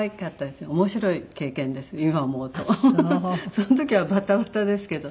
その時はバタバタですけど。